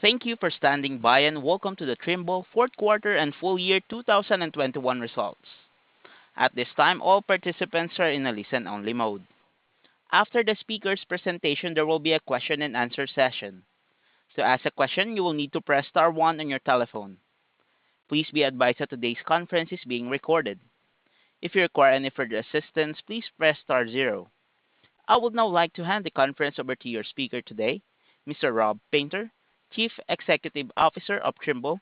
Thank you for standing by, and Welcome to the Trimble fourth quarter and full year 2021 results. At this time, all participants are in a listen-only mode. After the speaker's presentation, there will be a question-and-answer session. To ask a question, you will need to press star one on your telephone. Please be advised that today's conference is being recorded. If you require any further assistance, please press star zero. I would now like to hand the conference over to your speaker today, Mr. Rob Painter, Chief Executive Officer of Trimble.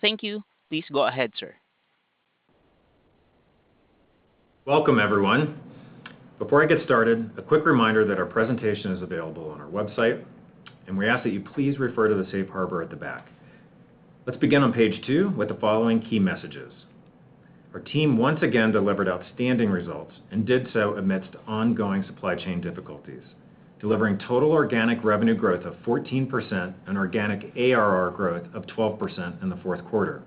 Thank you. Please go ahead, sir. Welcome, everyone. Before I get started, a quick reminder that our presentation is available on our website, and we ask that you please refer to the safe harbor at the back. Let's begin on page two with the following key messages. Our team once again delivered outstanding results and did so amidst ongoing supply chain difficulties, delivering total organic revenue growth of 14% and organic ARR growth of 12% in the fourth quarter.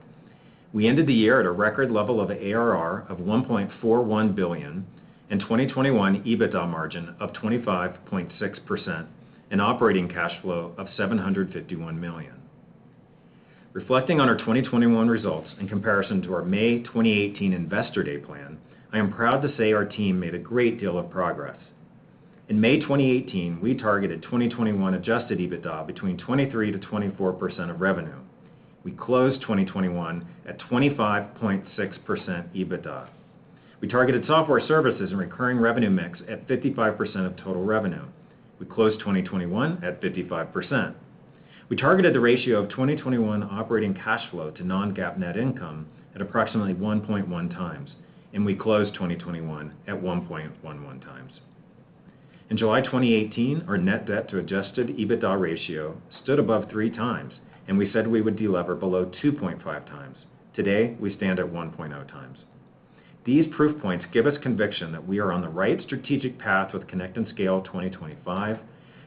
We ended the year at a record level of ARR of $1.41 billion and 2021 EBITDA margin of 25.6% and operating cash flow of $751 million. Reflecting on our 2021 results in comparison to our May 2018 Investor Day plan, I am proud to say our team made a great deal of progress. In May 2018, we targeted 2021 adjusted EBITDA between 23%-24% of revenue. We closed 2021 at 25.6% EBITDA. We targeted software services and recurring revenue mix at 55% of total revenue. We closed 2021 at 55%. We targeted the ratio of 2021 operating cash flow to non-GAAP net income at approximately 1.1x, and we closed 2021 at 1.11x. In July 2018, our net debt to adjusted EBITDA ratio stood above 3x, and we said we would delever below 2.5x. Today, we stand at 1.0 times. These proof points give us conviction that we are on the right strategic path with Connect and Scale 2025,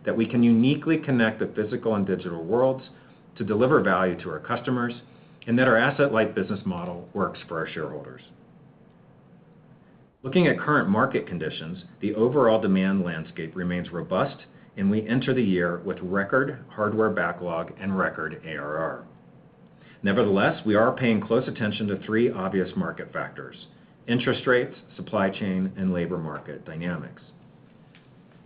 that we can uniquely connect the physical and digital worlds to deliver value to our customers, and that our asset-light business model works for our shareholders. Looking at current market conditions, the overall demand landscape remains robust, and we enter the year with record hardware backlog and record ARR. Nevertheless, we are paying close attention to three obvious market factors, interest rates, supply chain, and labor market dynamics.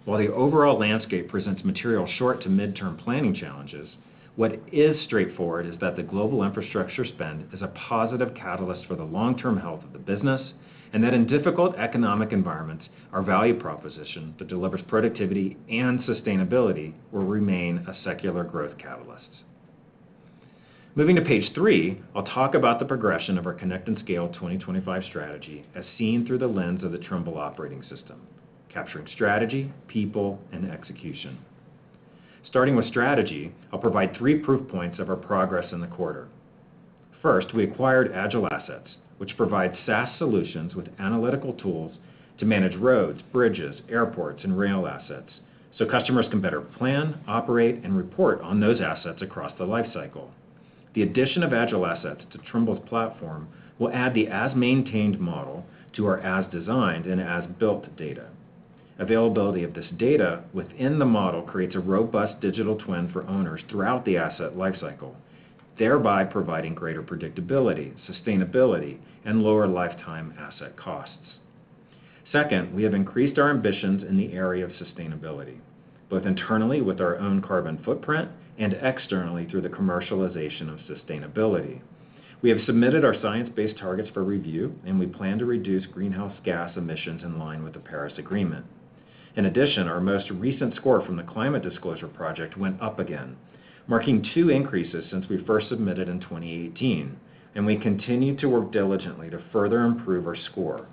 While the overall landscape presents material short to mid-term planning challenges, what is straightforward is that the global infrastructure spend is a positive catalyst for the long-term health of the business, and that in difficult economic environments, our value proposition that delivers productivity and sustainability will remain a secular growth catalyst. Moving to page three, I'll talk about the progression of our Connect and Scale 2025 strategy as seen through the lens of the Trimble Operating System, capturing strategy, people, and execution. Starting with strategy, I'll provide three proof points of our progress in the quarter. First, we acquired AgileAssets, which provides SaaS solutions with analytical tools to manage roads, bridges, airports, and rail assets so customers can better plan, operate, and report on those assets across the lifecycle. The addition of AgileAssets to Trimble's platform will add the as-maintained model to our as-designed and as-built data. Availability of this data within the model creates a robust digital twin for owners throughout the asset lifecycle, thereby providing greater predictability, sustainability, and lower lifetime asset costs. Second, we have increased our ambitions in the area of sustainability, both internally with our own carbon footprint and externally through the commercialization of sustainability. We have submitted our science-based targets for review, and we plan to reduce greenhouse gas emissions in line with the Paris Agreement. In addition, our most recent score from the Carbon Disclosure Project went up again, marking two increases since we first submitted in 2018, and we continue to work diligently to further improve our score.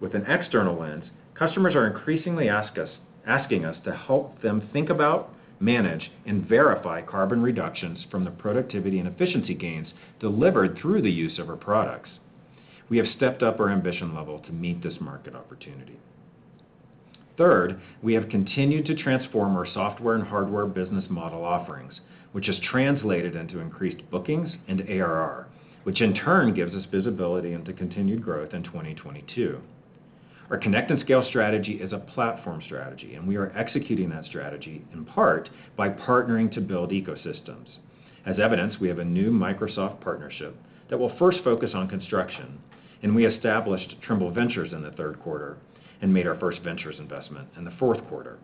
With an external lens, customers are increasingly asking us to help them think about, manage, and verify carbon reductions from the productivity and efficiency gains delivered through the use of our products. We have stepped up our ambition level to meet this market opportunity. Third, we have continued to transform our software and hardware business model offerings, which has translated into increased bookings and ARR, which in turn gives us visibility into continued growth in 2022. Our Connect and Scale strategy is a platform strategy, and we are executing that strategy in part by partnering to build ecosystems. As evidence, we have a new Microsoft partnership that will first focus on construction, and we established Trimble Ventures in the third quarter and made our first Ventures investment in the fourth quarter.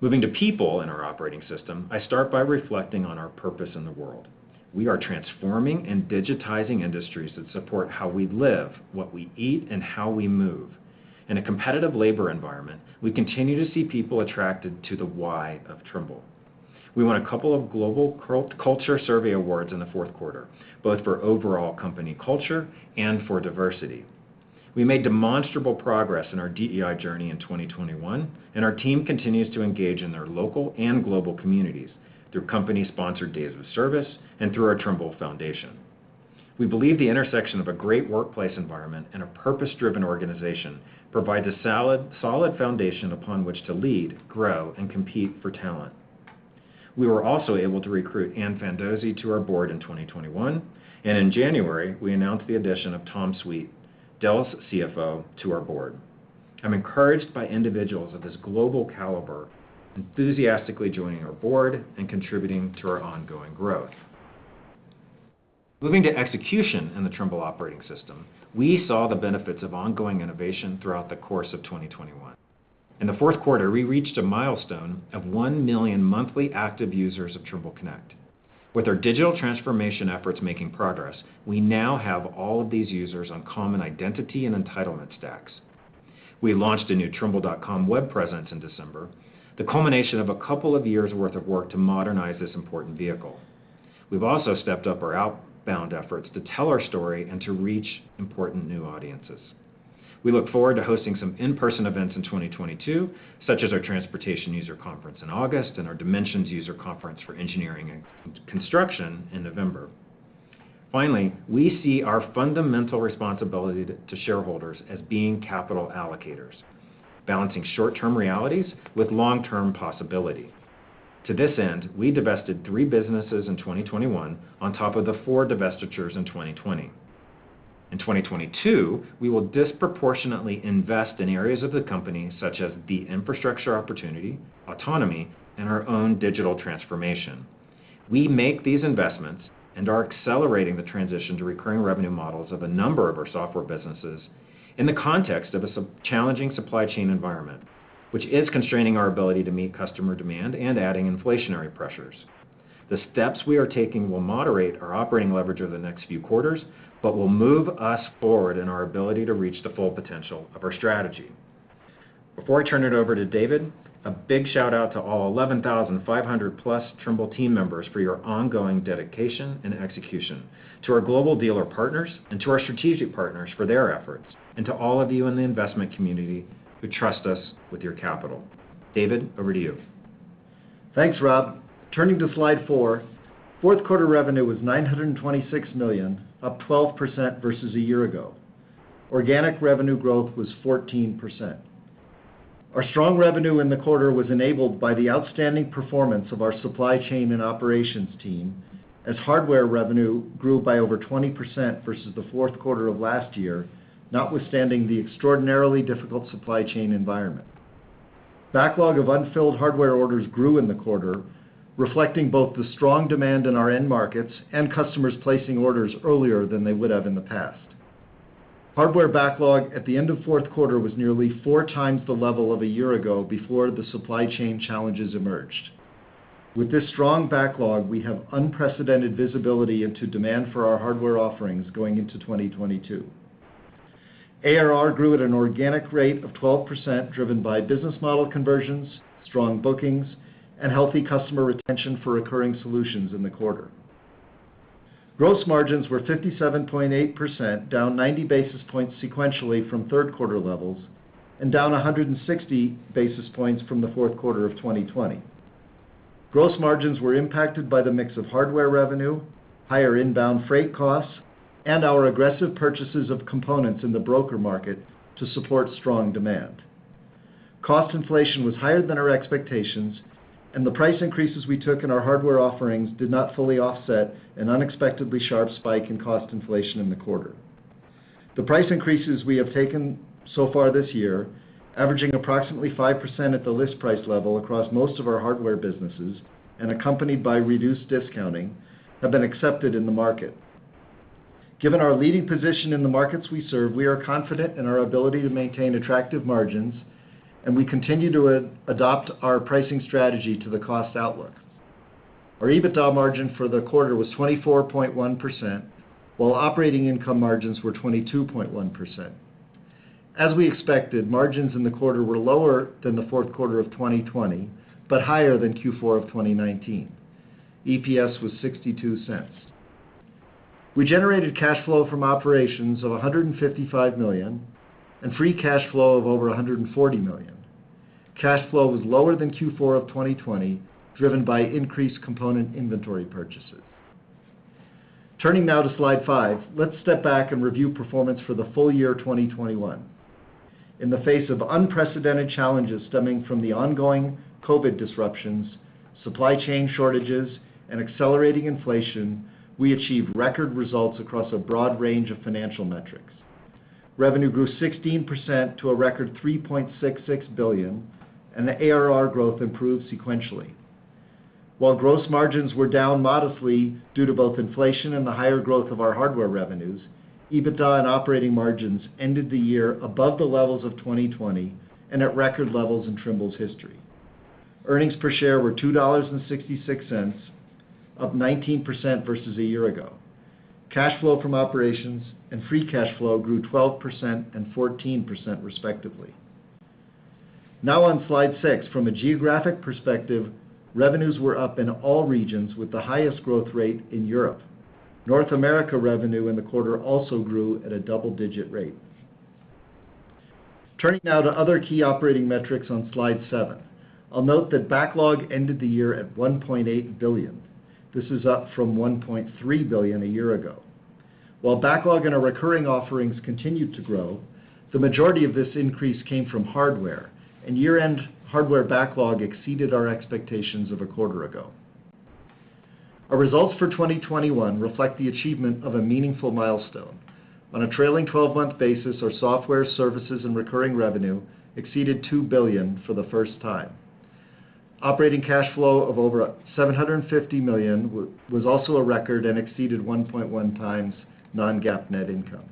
Moving to people in our Operating System, I start by reflecting on our purpose in the world. We are transforming and digitizing industries that support how we live, what we eat, and how we move. In a competitive labor environment, we continue to see people attracted to the why of Trimble. We won a couple of global culture survey awards in the fourth quarter, both for overall company culture and for diversity. We made demonstrable progress in our DEI journey in 2021, and our team continues to engage in their local and global communities through company-sponsored days of service and through our Trimble Foundation. We believe the intersection of a great workplace environment and a purpose-driven organization provides a solid foundation upon which to lead, grow, and compete for talent. We were also able to recruit Anne Fandozzi to our board in 2021, and in January, we announced the addition of Tom Sweet, Dell's CFO, to our board. I'm encouraged by individuals of this global caliber enthusiastically joining our board and contributing to our ongoing growth. Moving to execution in the Trimble Operating System, we saw the benefits of ongoing innovation throughout the course of 2021. In the fourth quarter, we reached a milestone of one million monthly active users of Trimble Connect. With our digital transformation efforts making progress, we now have all of these users on common identity and entitlement stacks. We launched a new trimble.com web presence in December, the culmination of a couple of years' worth of work to modernize this important vehicle. We've also stepped up our outbound efforts to tell our story and to reach important new audiences. We look forward to hosting some in-person events in 2022, such as our Transportation User Conference in August and our Dimensions User Conference for engineering and construction in November. Finally, we see our fundamental responsibility to shareholders as being capital allocators, balancing short-term realities with long-term possibility. To this end, we divested three businesses in 2021 on top of the four divestitures in 2020. In 2022, we will disproportionately invest in areas of the company such as the infrastructure opportunity, autonomy, and our own digital transformation. We make these investments and are accelerating the transition to recurring revenue models of a number of our software businesses in the context of a challenging supply chain environment, which is constraining our ability to meet customer demand and adding inflationary pressures. The steps we are taking will moderate our operating leverage over the next few quarters but will move us forward in our ability to reach the full potential of our strategy. Before I turn it over to David, a big shout-out to all 11,500+ Trimble team members for your ongoing dedication and execution, to our global dealer partners, and to our strategic partners for their efforts, and to all of you in the investment community who trust us with your capital. David, over to you. Thanks, Rob. Turning to slide four, fourth quarter revenue was $926 million, up 12% versus a year ago. Organic revenue growth was 14%. Our strong revenue in the quarter was enabled by the outstanding performance of our supply chain and operations team as hardware revenue grew by over 20% versus the fourth quarter of last year, notwithstanding the extraordinarily difficult supply chain environment. Backlog of unfilled hardware orders grew in the quarter, reflecting both the strong demand in our end markets and customers placing orders earlier than they would have in the past. Hardware backlog at the end of fourth quarter was nearly 4x the level of a year ago before the supply chain challenges emerged. With this strong backlog, we have unprecedented visibility into demand for our hardware offerings going into 2022. ARR grew at an organic rate of 12%, driven by business model conversions, strong bookings, and healthy customer retention for recurring solutions in the quarter. Gross margins were 57.8%, down 90 basis points sequentially from third quarter levels and down 160 basis points from the fourth quarter of 2020. Gross margins were impacted by the mix of hardware revenue, higher inbound freight costs, and our aggressive purchases of components in the broker market to support strong demand. Cost inflation was higher than our expectations, and the price increases we took in our hardware offerings did not fully offset an unexpectedly sharp spike in cost inflation in the quarter. The price increases we have taken so far this year, averaging approximately 5% at the list price level across most of our hardware businesses and accompanied by reduced discounting, have been accepted in the market. Given our leading position in the markets we serve, we are confident in our ability to maintain attractive margins, and we continue to adopt our pricing strategy to the cost outlook. Our EBITDA margin for the quarter was 24.1%, while operating income margins were 22.1%. As we expected, margins in the quarter were lower than the fourth quarter of 2020, but higher than Q4 of 2019. EPS was $0.62. We generated cash flow from operations of $155 million and free cash flow of over $140 million. Cash flow was lower than Q4 of 2020, driven by increased component inventory purchases. Turning now to slide five, let's step back and review performance for the full year 2021. In the face of unprecedented challenges stemming from the ongoing COVID disruptions, supply chain shortages, and accelerating inflation, we achieved record results across a broad range of financial metrics. Revenue grew 16% to a record $3.66 billion, and the ARR growth improved sequentially. While gross margins were down modestly due to both inflation and the higher growth of our hardware revenues, EBITDA and operating margins ended the year above the levels of 2020 and at record levels in Trimble's history. Earnings per share were $2.66, up 19% versus a year ago. Cash flow from operations and free cash flow grew 12% and 14% respectively. Now on slide six. From a geographic perspective, revenues were up in all regions with the highest growth rate in Europe. North America revenue in the quarter also grew at a double-digit rate. Turning now to other key operating metrics on slide seven. I'll note that backlog ended the year at $1.8 billion. This is up from $1.3 billion a year ago. While backlog in our recurring offerings continued to grow, the majority of this increase came from hardware, and year-end hardware backlog exceeded our expectations of a quarter ago. Our results for 2021 reflect the achievement of a meaningful milestone. On a trailing twelve-month basis, our software services and recurring revenue exceeded $2 billion for the first time. Operating cash flow of over $750 million was also a record and exceeded 1.1 times non-GAAP net income.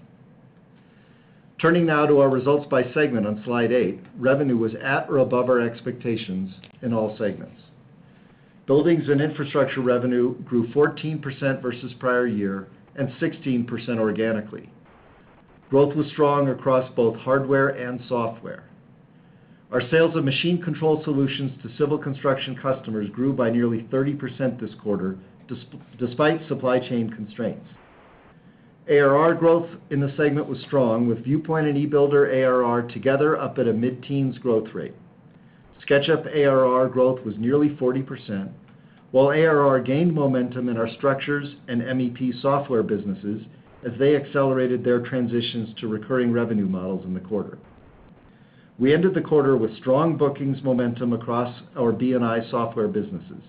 Turning now to our results by segment on slide 8, revenue was at or above our expectations in all segments. Buildings and Infrastructure revenue grew 14% versus prior year and 16% organically. Growth was strong across both hardware and software. Our sales of machine control solutions to civil construction customers grew by nearly 30% this quarter despite supply chain constraints. ARR growth in the segment was strong with Viewpoint and e-Builder ARR together up at a mid-teens growth rate. SketchUp ARR growth was nearly 40%, while ARR gained momentum in our structures and MEP software businesses as they accelerated their transitions to recurring revenue models in the quarter. We ended the quarter with strong bookings momentum across our B&I software businesses.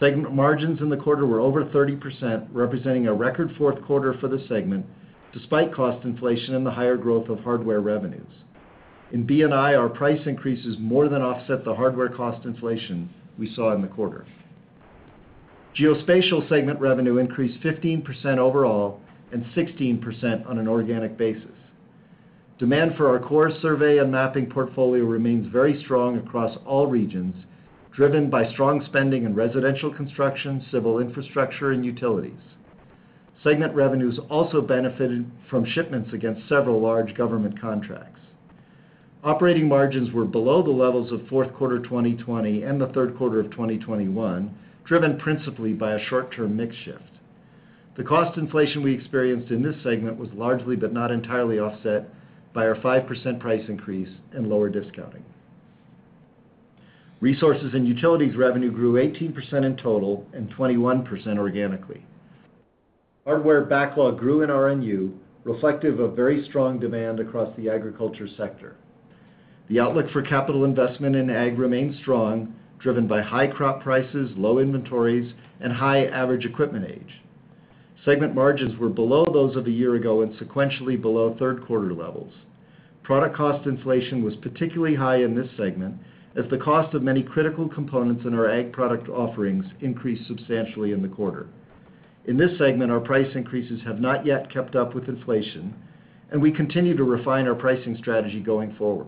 Segment margins in the quarter were over 30%, representing a record fourth quarter for the segment, despite cost inflation and the higher growth of hardware revenues. In B&I, our price increases more than offset the hardware cost inflation we saw in the quarter. Geospatial segment revenue increased 15% overall and 16% on an organic basis. Demand for our core survey and mapping portfolio remains very strong across all regions, driven by strong spending in residential construction, civil infrastructure, and utilities. Segment revenues also benefited from shipments against several large government contracts. Operating margins were below the levels of fourth quarter 2020 and the third quarter of 2021, driven principally by a short-term mix shift. The cost inflation we experienced in this segment was largely, but not entirely, offset by our 5% price increase and lower discounting. Resources and Utilities revenue grew 18% in total and 21% organically. Hardware backlog grew in RNU, reflective of very strong demand across the agriculture sector. The outlook for capital investment in ag remains strong, driven by high crop prices, low inventories, and high average equipment age. Segment margins were below those of a year ago and sequentially below third quarter levels. Product cost inflation was particularly high in this segment as the cost of many critical components in our ag product offerings increased substantially in the quarter. In this segment, our price increases have not yet kept up with inflation, and we continue to refine our pricing strategy going forward.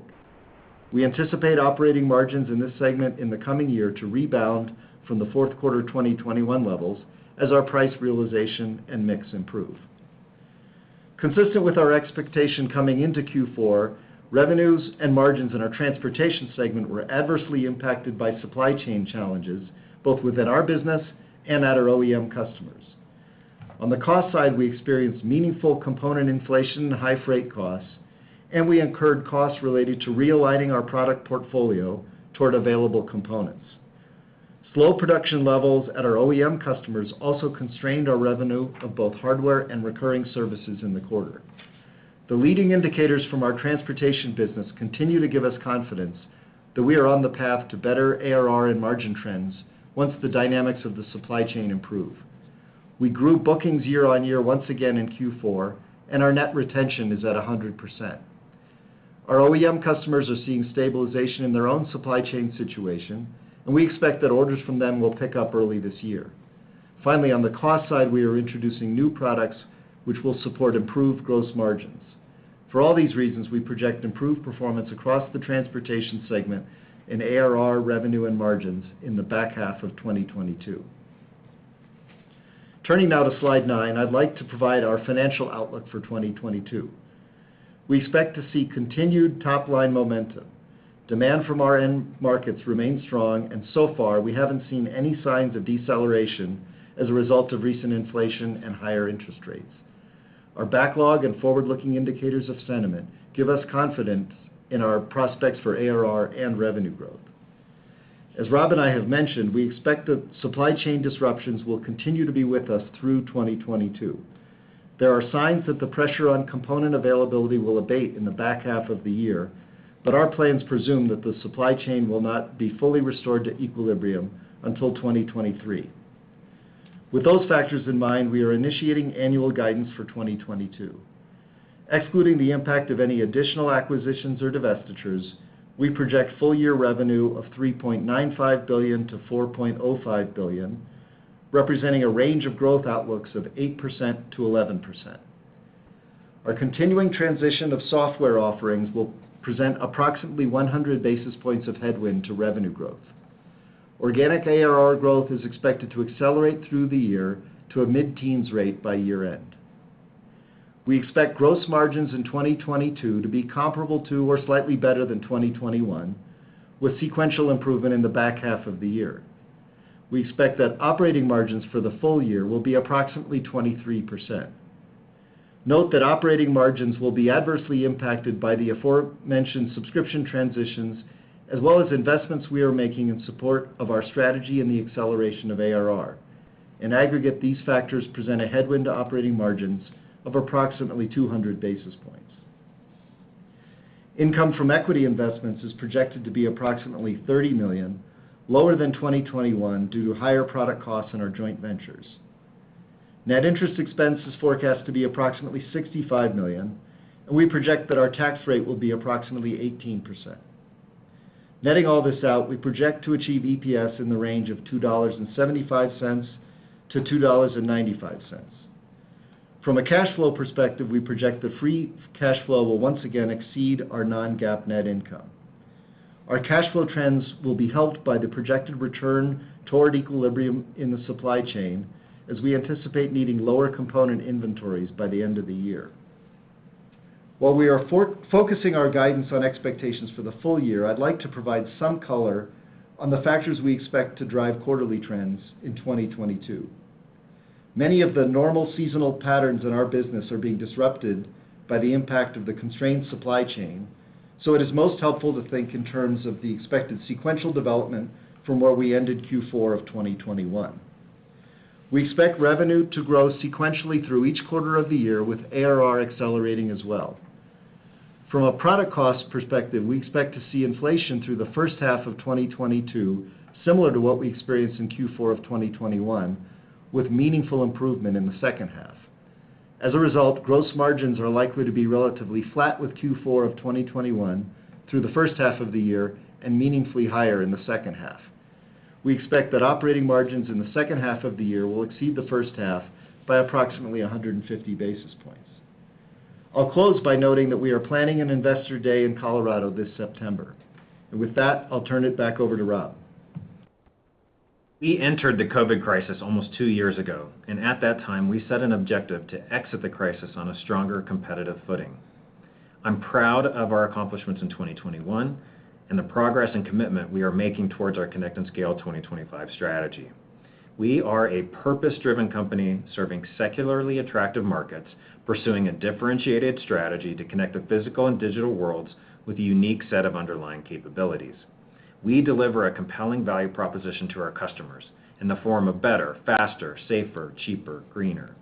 We anticipate operating margins in this segment in the coming year to rebound from the fourth quarter 2021 levels as our price realization and mix improve. Consistent with our expectation coming into Q4, revenues and margins in our Transportation segment were adversely impacted by supply chain challenges, both within our business and at our OEM customers. On the cost side, we experienced meaningful component inflation and high freight costs, and we incurred costs related to realigning our product portfolio toward available components. Slow production levels at our OEM customers also constrained our revenue of both hardware and recurring services in the quarter. The leading indicators from our transportation business continue to give us confidence that we are on the path to better ARR and margin trends once the dynamics of the supply chain improve. We grew bookings year-on-year once again in Q4, and our net retention is at 100%. Our OEM customers are seeing stabilization in their own supply chain situation, and we expect that orders from them will pick up early this year. Finally, on the cost side, we are introducing new products which will support improved gross margins. For all these reasons, we project improved performance across the transportation segment in ARR revenue and margins in the back half of 2022. Turning now to slide nine, I'd like to provide our financial outlook for 2022. We expect to see continued top-line momentum. Demand from our end markets remains strong, and so far, we haven't seen any signs of deceleration as a result of recent inflation and higher interest rates. Our backlog and forward-looking indicators of sentiment give us confidence in our prospects for ARR and revenue growth. As Rob and I have mentioned, we expect that supply chain disruptions will continue to be with us through 2022. There are signs that the pressure on component availability will abate in the back half of the year, but our plans presume that the supply chain will not be fully restored to equilibrium until 2023. With those factors in mind, we are initiating annual guidance for 2022. Excluding the impact of any additional acquisitions or divestitures, we project full-year revenue of $3.95 billion-$4.05 billion, representing a range of growth outlooks of 8%-11%. Our continuing transition of software offerings will present approximately 100 basis points of headwind to revenue growth. Organic ARR growth is expected to accelerate through the year to a mid-teens rate by year-end. We expect gross margins in 2022 to be comparable to or slightly better than 2021, with sequential improvement in the back half of the year. We expect that operating margins for the full year will be approximately 23%. Note that operating margins will be adversely impacted by the aforementioned subscription transitions as well as investments we are making in support of our strategy and the acceleration of ARR. In aggregate, these factors present a headwind to operating margins of approximately 200 basis points. Income from equity investments is projected to be approximately $30 million, lower than 2021 due to higher product costs in our joint ventures. Net interest expense is forecast to be approximately $65 million, and we project that our tax rate will be approximately 18%. Netting all this out, we project to achieve EPS in the range of $2.75-$2.95. From a cash flow perspective, we project the free cash flow will once again exceed our non-GAAP net income. Our cash flow trends will be helped by the projected return toward equilibrium in the supply chain, as we anticipate needing lower component inventories by the end of the year. While we are focusing our guidance on expectations for the full year, I'd like to provide some color on the factors we expect to drive quarterly trends in 2022. Many of the normal seasonal patterns in our business are being disrupted by the impact of the constrained supply chain, so it is most helpful to think in terms of the expected sequential development from where we ended Q4 of 2021. We expect revenue to grow sequentially through each quarter of the year, with ARR accelerating as well. From a product cost perspective, we expect to see inflation through the first half of 2022, similar to what we experienced in Q4 of 2021, with meaningful improvement in the second half. As a result, gross margins are likely to be relatively flat with Q4 of 2021 through the first half of the year and meaningfully higher in the second half. We expect that operating margins in the second half of the year will exceed the first half by approximately 150 basis points. I'll close by noting that we are planning an Investor Day in Colorado this September. With that, I'll turn it back over to Rob. We entered the COVID crisis almost two years ago, and at that time, we set an objective to exit the crisis on a stronger competitive footing. I'm proud of our accomplishments in 2021 and the progress and commitment we are making towards our Connect and Scale 2025 strategy. We are a purpose-driven company serving secularly attractive markets, pursuing a differentiated strategy to connect the physical and digital worlds with a unique set of underlying capabilities. We deliver a compelling value proposition to our customers in the form of better, faster, safer, cheaper, greener.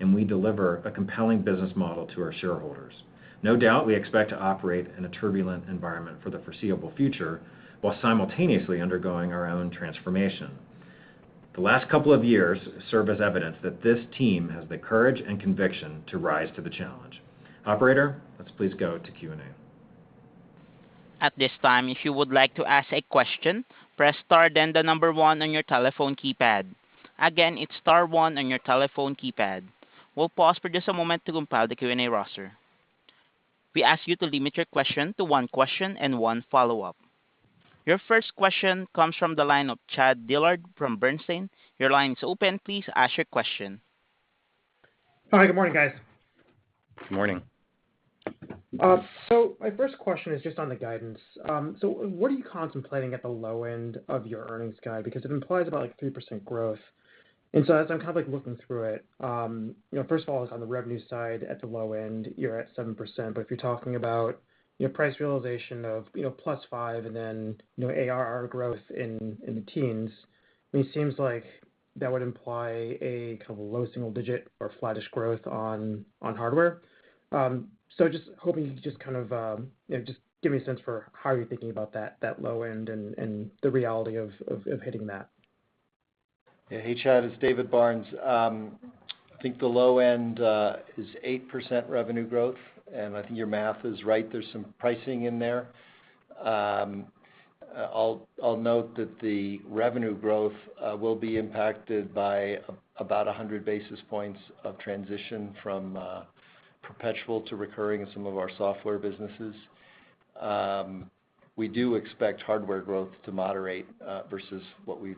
We deliver a compelling business model to our shareholders. No doubt, we expect to operate in a turbulent environment for the foreseeable future while simultaneously undergoing our own transformation. The last couple of years serve as evidence that this team has the courage and conviction to rise to the challenge. Operator, let's please go to Q&A. At this time, if you would like to ask a question, press star, then the number one on your telephone keypad. Again, it's star one on your telephone keypad. We'll pause for just a moment to compile the Q&A roster. We ask you to limit your question to one question and one follow-up. Your first question comes from the line of Chad Dillard from Bernstein. Your line is open. Please ask your question. Hi. Good morning, guys. Good morning. My first question is just on the guidance. What are you contemplating at the low end of your earnings guide? Because it implies about, like, 3% growth. As I'm kind of, like, looking through it, you know, first of all, is on the revenue side at the low end, you're at 7%, but if you're talking about, you know, price realization of, you know, +5% and then, you know, ARR growth in the teens, I mean, it seems like that would imply a kind of a low single digit or flattish growth on hardware. Just hoping you could just kind of, you know, just give me a sense for how you're thinking about that low end and the reality of hitting that. Yeah. Hey, Chad, it's David Barnes. I think the low end is 8% revenue growth, and I think your math is right. There's some pricing in there. I'll note that the revenue growth will be impacted by about 100 basis points of transition from perpetual to recurring in some of our software businesses. We do expect hardware growth to moderate versus what we've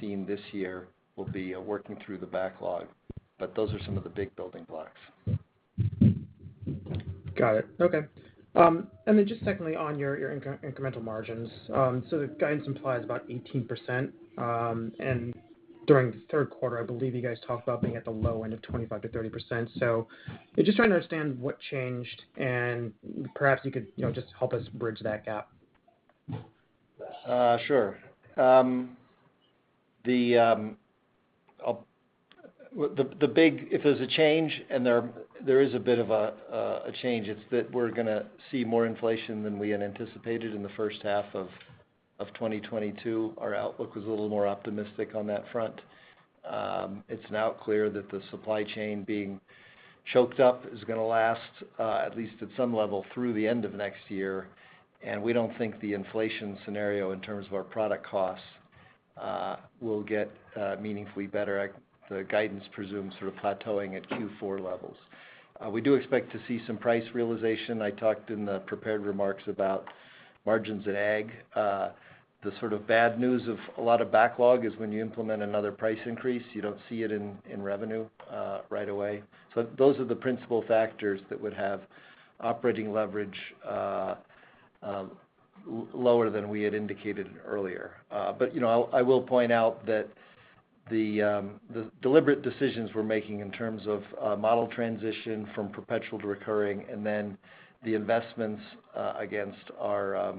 seen this year. We'll be working through the backlog, but those are some of the big building blocks. Got it. Okay. Just secondly on your incremental margins. The guidance implies about 18%, and during the third quarter, I believe you guys talked about being at the low end of 25%-30%. Just trying to understand what changed, and perhaps you could, you know, just help us bridge that gap. Sure. If there's a change, and there is a bit of a change, it's that we're gonna see more inflation than we had anticipated in the first half of 2022. Our outlook was a little more optimistic on that front. It's now clear that the supply chain being choked up is going to last at least at some level through the end of next year, and we don't think the inflation scenario in terms of our product costs will get meaningfully better. The guidance presumes sort of plateauing at Q4 levels. We do expect to see some price realization. I talked in the prepared remarks about margins at Ag. The sort of bad news of a lot of backlog is when you implement another price increase, you don't see it in revenue right away. Those are the principal factors that would have operating leverage lower than we had indicated earlier. You know, I will point out that the deliberate decisions we're making in terms of model transition from perpetual to recurring and then the investments against our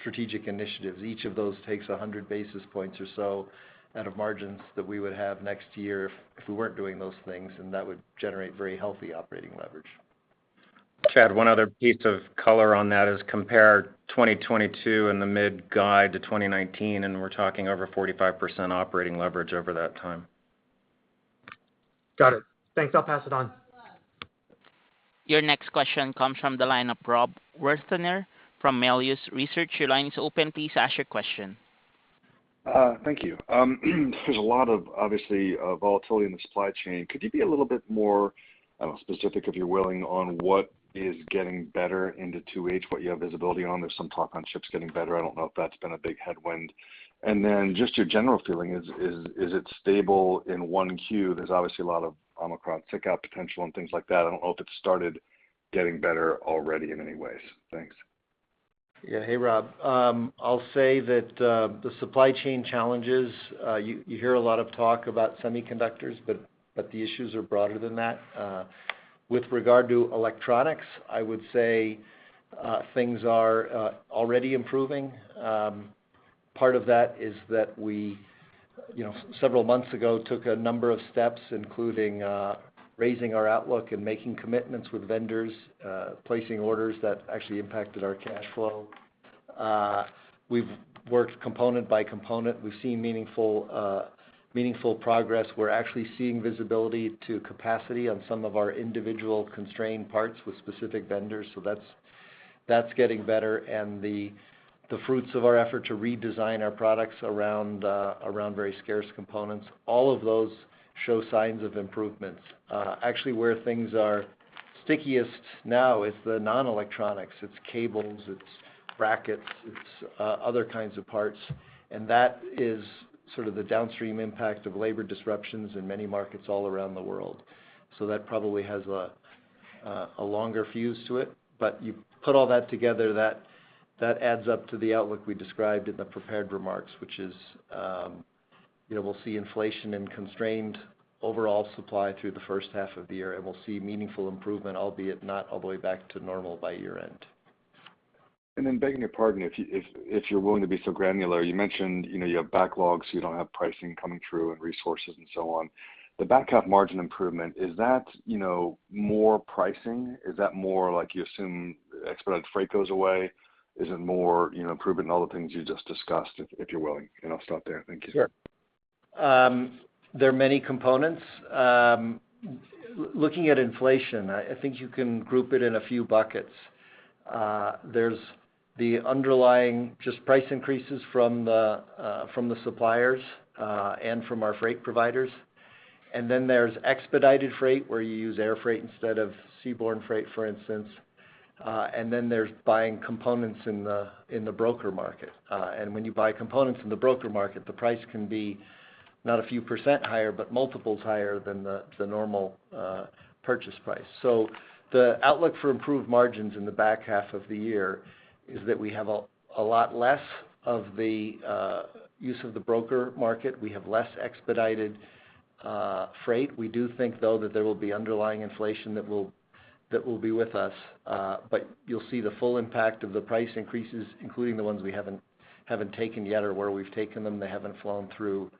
strategic initiatives, each of those takes 100 basis points or so out of margins that we would have next year if we weren't doing those things, and that would generate very healthy operating leverage. Chad, one other piece of color on that is compare 2022 and the mid guide to 2019, and we're talking over 45% operating leverage over that time. Got it. Thanks, I'll pass it on. Your next question comes from the line of Rob Wertheimer from Melius Research. Your line is open. Please ask your question. Thank you. There's a lot of obviously volatility in the supply chain. Could you be a little bit more, I don't know, specific, if you're willing, on what is getting better into 2H, what you have visibility on? There's some talk on ships getting better. I don't know if that's been a big headwind. Just your general feeling, is it stable in 1Q? There's obviously a lot of Omicron sick-out potential and things like that. I don't know if it's started getting better already in any ways. Thanks. Yeah. Hey, Rob. I'll say that the supply chain challenges you hear a lot of talk about semiconductors, but the issues are broader than that. With regard to electronics, I would say things are already improving. Part of that is that we, you know, several months ago, took a number of steps, including raising our outlook and making commitments with vendors, placing orders that actually impacted our cash flow. We've worked component by component. We've seen meaningful progress. We're actually seeing visibility to capacity on some of our individual constrained parts with specific vendors, so that's getting better. The fruits of our effort to redesign our products around very scarce components, all of those show signs of improvements. Actually, where things are stickiest now is the non-electronics. It's cables, it's brackets, it's other kinds of parts, and that is sort of the downstream impact of labor disruptions in many markets all around the world. That probably has a longer fuse to it. You put all that together, that adds up to the outlook we described in the prepared remarks, which is, you know, we'll see inflation and constrained overall supply through the first half of the year, and we'll see meaningful improvement, albeit not all the way back to normal by year-end. Begging your pardon, if you're willing to be so granular, you mentioned, you know, you have backlogs, you don't have pricing coming through and resources and so on. The back half margin improvement, is that, you know, more pricing? Is that more like you assume expedited freight goes away? Is it more, you know, improvement in all the things you just discussed? If you're willing, and I'll stop there. Thank you. Sure. There are many components. Looking at inflation, I think you can group it in a few buckets. There's the underlying just price increases from the suppliers and from our freight providers. There's expedited freight where you use air freight instead of seaborne freight, for instance. There's buying components in the broker market. When you buy components in the broker market, the price can be not a few percent higher, but multiples higher than the normal purchase price. The outlook for improved margins in the back half of the year is that we have a lot less of the use of the broker market. We have less expedited freight. We do think, though, that there will be underlying inflation that will be with us, but you'll see the full impact of the price increases, including the ones we haven't taken yet or where we've taken them, they haven't flown through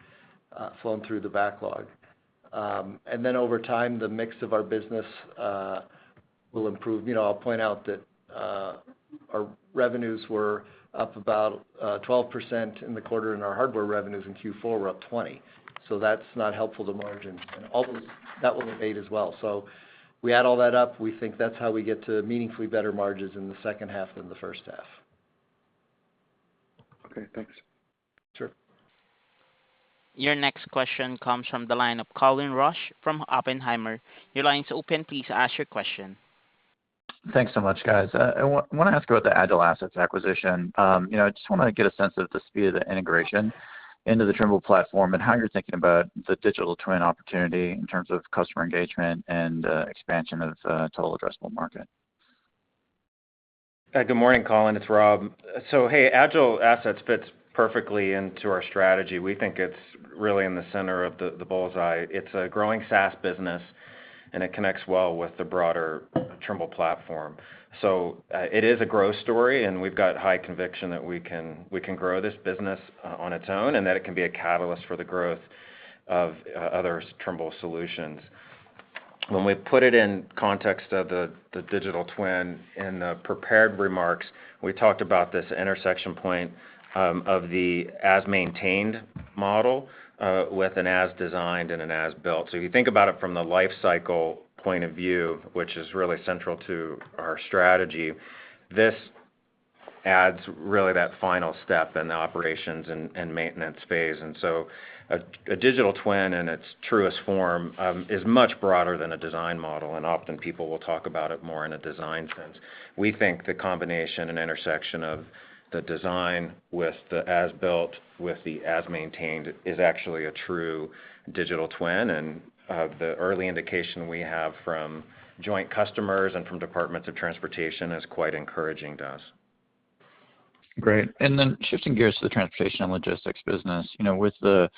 the backlog. Then over time, the mix of our business will improve. You know, I'll point out that our revenues were up about 12% in the quarter, and our hardware revenues in Q4 were up 20%. That's not helpful to margins. All those that will abate as well. We add all that up, we think that's how we get to meaningfully better margins in the second half than the first half. Okay, thanks. Sure. Your next question comes from the line of Colin Rusch from Oppenheimer. Your line is open. Please ask your question. Thanks so much, guys. I wanna ask about the AgileAssets acquisition. You know, I just wanna get a sense of the speed of the integration into the Trimble platform and how you're thinking about the digital twin opportunity in terms of customer engagement and expansion of total addressable market. Good morning, Colin. It's Rob. Hey, AgileAssets fits perfectly into our strategy. We think it's really in the center of the bull's eye. It's a growing SaaS business, and it connects well with the broader Trimble platform. It is a growth story, and we've got high conviction that we can grow this business on its own and that it can be a catalyst for the growth of other Trimble solutions. When we put it in context of the digital twin in the prepared remarks, we talked about this intersection point of the as-maintained model with an as-designed and an as-built. If you think about it from the life cycle point of view, which is really central to our strategy, this adds really that final step in the operations and maintenance phase. A digital twin in its truest form is much broader than a design model, and often people will talk about it more in a design sense. We think the combination and intersection of the design with the as-built, with the as-maintained is actually a true digital twin, and the early indication we have from joint customers and from departments of transportation is quite encouraging to us. Great shifting gears to the transportation and logistics business. You know, with the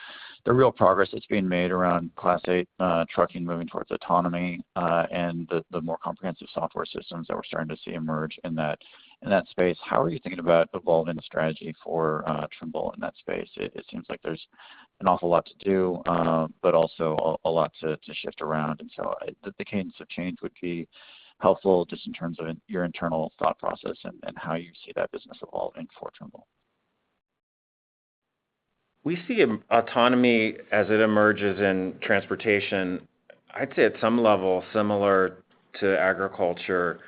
real progress that's being made around Class 8 trucking moving towards autonomy, and the more comprehensive software systems that we're starting to see emerge in that space, how are you thinking about evolving the strategy for Trimble in that space? It seems like there's an awful lot to do, but also a lot to shift around. The cadence of change would be helpful just in terms of your internal thought process and how you see that business evolving for Trimble. We see autonomy as it emerges in transportation, I'd say at some level similar to agriculture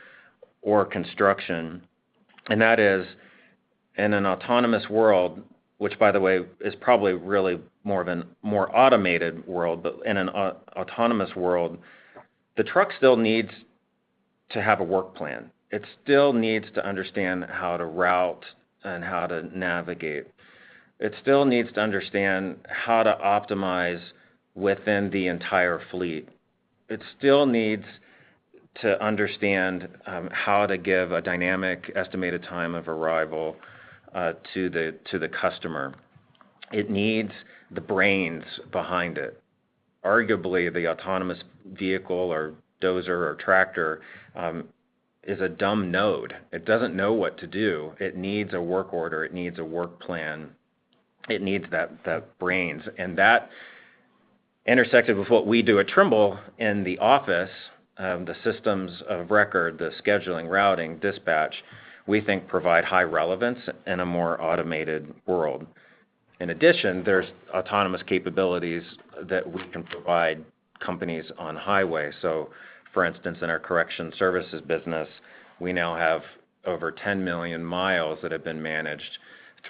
or construction. That is, in an autonomous world, which by the way, is probably really more of a more automated world. In an autonomous world, the truck still needs to have a work plan. It still needs to understand how to route and how to navigate. It still needs to understand how to optimize within the entire fleet. It still needs to understand how to give a dynamic estimated time of arrival to the customer. It needs the brains behind it. Arguably, the autonomous vehicle or dozer or tractor is a dumb node. It doesn't know what to do. It needs a work order. It needs a work plan. It needs the brains. That intersected with what we do at Trimble in the office, the systems of record, the scheduling, routing, dispatch, we think provide high relevance in a more automated world. In addition, there's autonomous capabilities that we can provide companies on highway. For instance, in our correction services business, we now have over 10 million miles that have been managed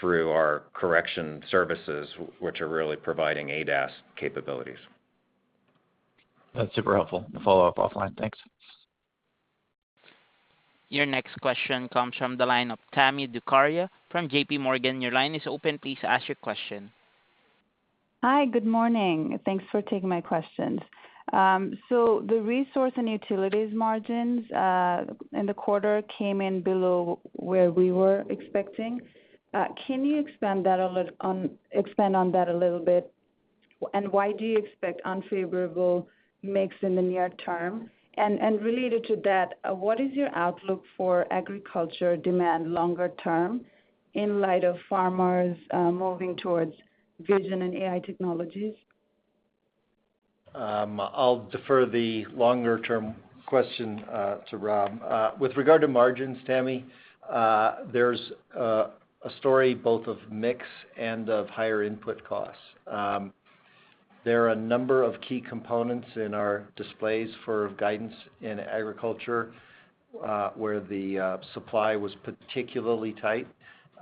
through our correction services, which are really providing ADAS capabilities. That's super helpful. I'll follow up offline. Thanks. Your next question comes from the line of Tami Zakaria from JPMorgan. Your line is open. Please ask your question. Hi. Good morning. Thanks for taking my questions. The resource and utilities margins in the quarter came in below where we were expecting. Can you expand on that a little bit? And why do you expect unfavorable mix in the near term? And related to that, what is your outlook for agriculture demand longer term in light of farmers moving towards vision and AI technologies? I'll defer the longer-term question to Rob. With regard to margins, Tami, there's a story both of mix and of higher input costs. There are a number of key components in our displays for guidance in agriculture, where the supply was particularly tight.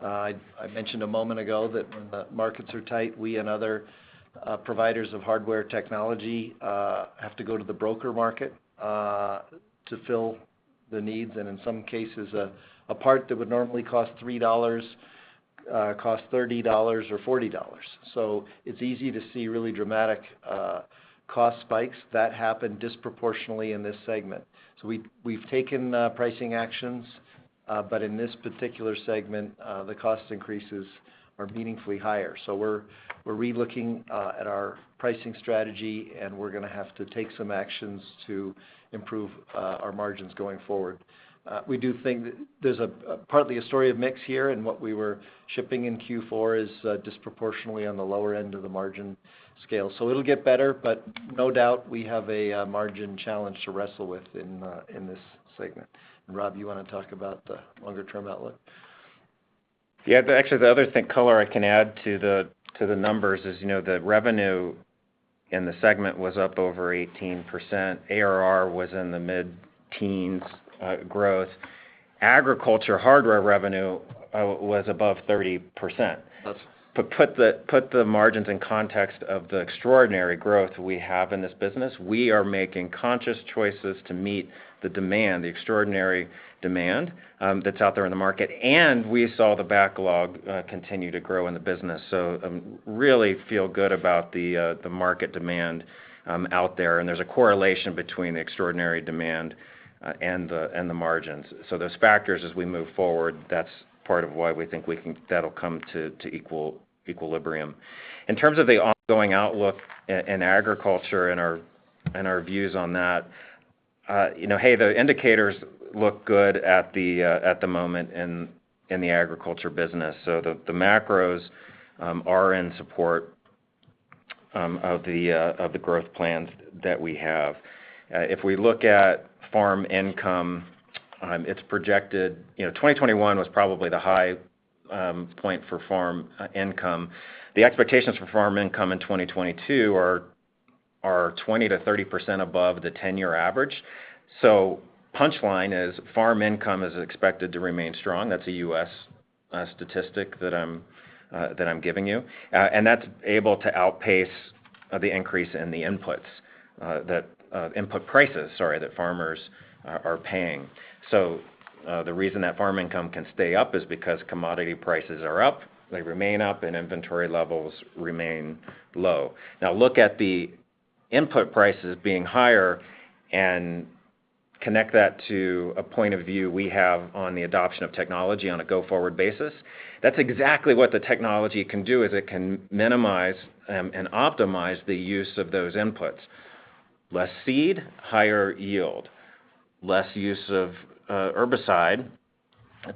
I mentioned a moment ago that when the markets are tight, we and other providers of hardware technology have to go to the broker market to fill the needs. In some cases, a part that would normally cost $3 costs $30 or $40. It's easy to see really dramatic cost spikes that happen disproportionately in this segment. We've taken pricing actions, but in this particular segment the cost increases are meaningfully higher. We're re-looking at our pricing strategy, and we're gonna have to take some actions to improve our margins going forward. We do think there's partly a story of mix here, and what we were shipping in Q4 is disproportionately on the lower end of the margin scale. It'll get better, but no doubt, we have a margin challenge to wrestle with in this segment. Rob, you want to talk about the longer-term outlook? Actually, the other thing, color I can add to the numbers is, you know, the revenue in the segment was up over 18%. ARR was in the mid-teen's growth. Agriculture hardware revenue was above 30%. To put the margins in context of the extraordinary growth we have in this business, we are making conscious choices to meet the extraordinary demand that's out there in the market, and we saw the backlog continue to grow in the business. Really feel good about the market demand out there. There's a correlation between extraordinary demand and the margins. Those factors, as we move forward, that's part of why we think that'll come to equilibrium. In terms of the ongoing outlook in agriculture and our views on that, you know, hey, the indicators look good at the moment in the agriculture business. The macros are in support of the growth plans that we have. If we look at farm income, it's projected, you know, 2021 was probably the high point for farm income. The expectations for farm income in 2022 are 20%-30% above the 10-year average. Punchline is farm income is expected to remain strong. That's a U.S. statistic that I'm giving you. And that's able to outpace the increase in the inputs, the input prices, sorry, that farmers are paying. The reason that farm income can stay up is because commodity prices are up, they remain up, and inventory levels remain low. Now, look at the input prices being higher. Connect that to a point of view we have on the adoption of technology on a go-forward basis. That's exactly what the technology can do, is it can minimize and optimize the use of those inputs. Less seed, higher yield. Less use of herbicide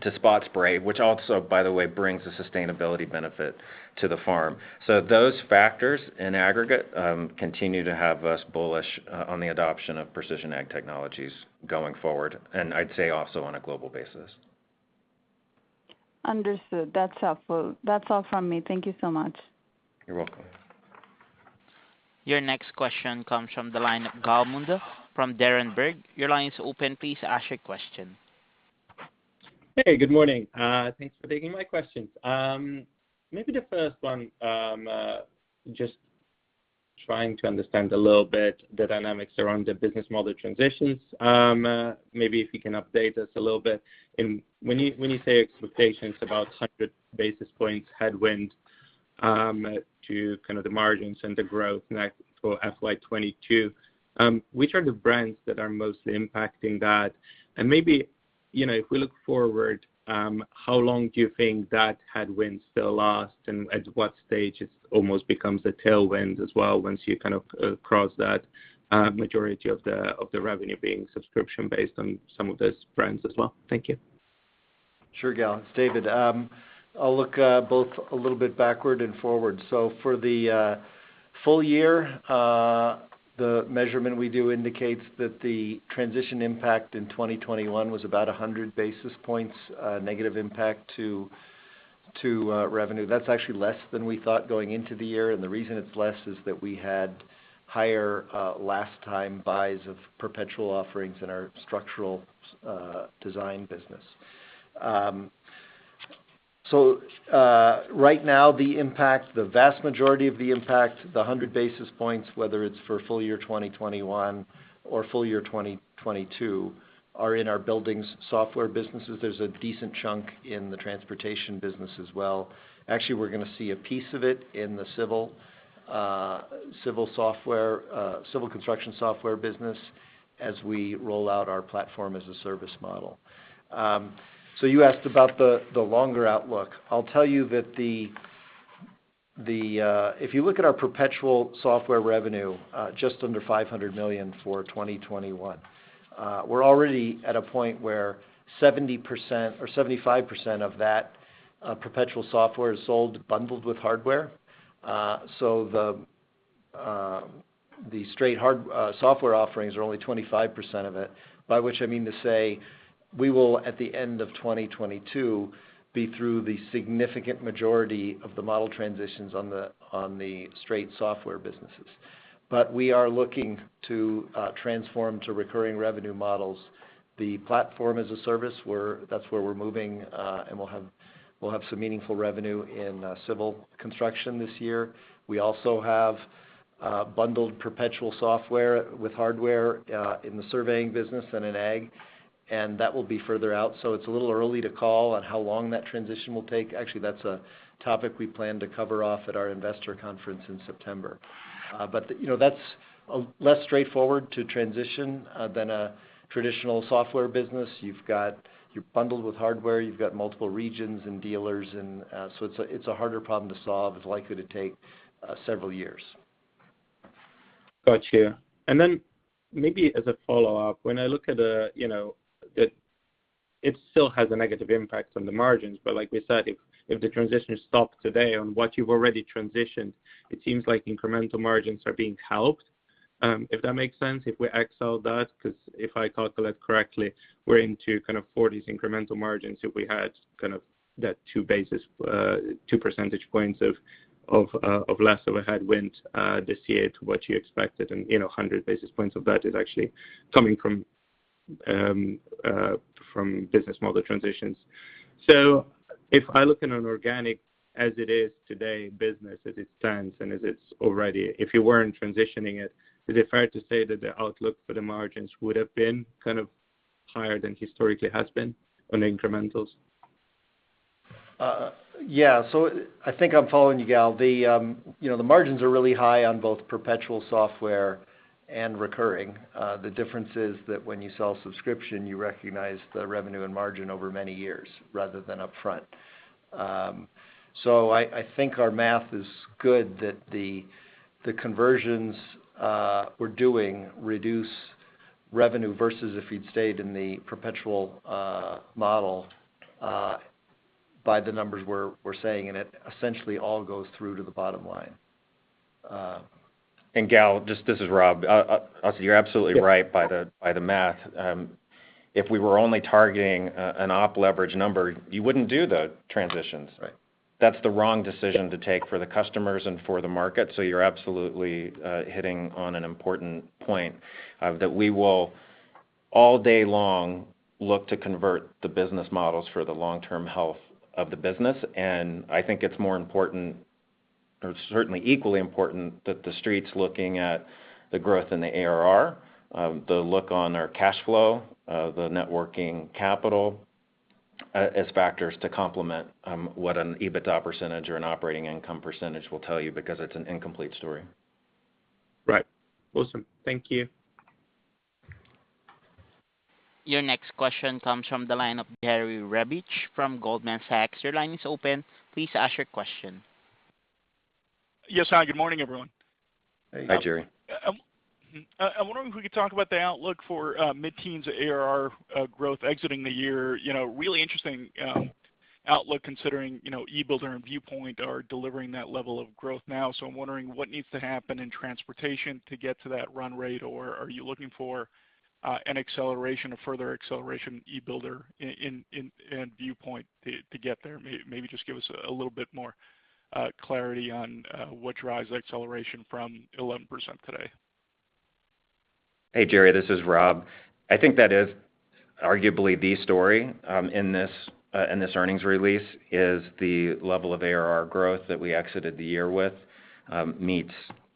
to spot spray, which also, by the way, brings a sustainability benefit to the farm. Those factors in aggregate continue to have us bullish on the adoption of precision ag technologies going forward, and I'd say also on a global basis. Understood. That's helpful. That's all from me. Thank you so much. You're welcome. Your next question comes from the line of Gal Munda from Berenberg. Your line is open. Please ask your question. Hey, good morning. Thanks for taking my questions. Maybe the first one, just trying to understand a little bit the dynamics around the business model transitions. Maybe if you can update us a little bit. When you say expectations about 100 basis points headwind to the margins and the growth like for FY 2022, which are the brands that are mostly impacting that? And maybe, you know, if we look forward, how long do you think that headwind still last, and at what stage it almost becomes a tailwind as well once you kind of cross that majority of the revenue being subscription-based on some of those brands as well? Thank you. Sure, Gal, it's David. I'll look both a little bit backward and forward. For the full year, the measurement we do indicates that the transition impact in 2021 was about 100 basis points negative impact to revenue. That's actually less than we thought going into the year, and the reason it's less is that we had higher last time buys of perpetual offerings in our structural design business. Right now the impact, the vast majority of the impact, the 100 basis points, whether it's for full year 2021 or full year 2022, are in our buildings software businesses. There's a decent chunk in the transportation business as well. Actually, we're gonna see a piece of it in the civil construction software business as we roll out our platform as a service model. You asked about, if you look at our perpetual software revenue just under $500 million for 2021, we're already at a point where 70% or 75% of that perpetual software is sold bundled with hardware. The straight software offerings are only 25% of it. By which I mean to say, we will at the end of 2022 be through the significant majority of the model transitions on the straight software businesses. We are looking to transform to recurring revenue models. The platform as a service where that's where we're moving, and we'll have some meaningful revenue in civil construction this year. We also have bundled perpetual software with hardware in the surveying business and in Ag, and that will be further out. It's a little early to call on how long that transition will take. Actually, that's a topic we plan to cover off at our investor conference in September. But, you know, that's less straightforward to transition than a traditional software business. You're bundled with hardware, you've got multiple regions and dealers and, so it's a harder problem to solve. It's likely to take several years. Got you. Maybe as a follow-up, when I look at, you know, the. It still has a negative impact on the margins, but like we said, if the transition is stopped today on what you've already transitioned, it seems like incremental margins are being helped, if that makes sense, if we exclude that, cause if I calculate correctly, we're into kind of 40s incremental margins if we had kind of that 2 percentage points of less of a headwind this year to what you expected and, you know, 100 basis points of that is actually coming from business model transitions. If I look in an organic as it is today business as it stands and as it's already, if you weren't transitioning it, is it fair to say that the outlook for the margins would have been kind of higher than historically has been on incrementals? I think I'm following you, Gal. You know, the margins are really high on both perpetual software and recurring. The difference is that when you sell subscription, you recognize the revenue and margin over many years rather than upfront. I think our math is good that the conversions we're doing reduce revenue versus if you'd stayed in the perpetual model by the numbers we're saying, and it essentially all goes through to the bottom line. Gal, just this is Rob. You're absolutely right by the math. If we were only targeting an op leverage number, you wouldn't do the transitions. Right. That's the wrong decision to take for the customers and for the market. You're absolutely hitting on an important point that we will all day long look to convert the business models for the long-term health of the business. I think it's more important, or certainly equally important that the street's looking at the growth in the ARR, the outlook on our cash flow, the net working capital as factors to complement what an EBITDA percentage or an operating income percentage will tell you because it's an incomplete story. Right. Awesome. Thank you. Your next question comes from the line of Jerry Revich from Goldman Sachs. Your line is open. Please ask your question. Yes, hi, good morning, everyone. Hey, Jerry. I'm wondering if we could talk about the outlook for mid-teens ARR growth exiting the year, you know, really interesting outlook considering, you know, e-Builder and Viewpoint are delivering that level of growth now. I'm wondering what needs to happen in transportation to get to that run rate, or are you looking for an acceleration or further acceleration in e-Builder and Viewpoint to get there? Maybe just give us a little bit more clarity on what drives acceleration from 11% today. Hey, Jerry. This is Rob. I think that is arguably the story in this earnings release is the level of ARR growth that we exited the year with meets